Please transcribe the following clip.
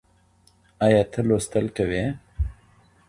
ايا ته لوستل کوې؟